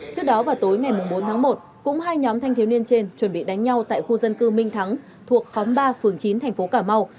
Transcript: trước đó vào tối ngày bốn tháng một cũng hai nhóm thanh thiếu niên trên chuẩn bị đánh nhau tại khu dân cư minh thắng thuộc khóm ba phường chín thành phố cà mau